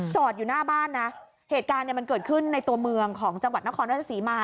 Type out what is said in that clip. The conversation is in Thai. จอดอยู่หน้าบ้านนะเหตุการณ์เนี่ยมันเกิดขึ้นในตัวเมืองของจังหวัดนครราชศรีมา